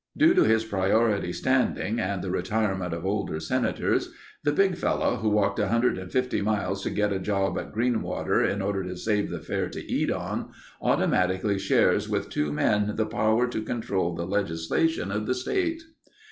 Due to his priority standing and the retirement of older senators, the big fellow who walked 150 miles to get a job at Greenwater in order to save the fare to eat on, automatically shares with two men the power to control the legislation of the state.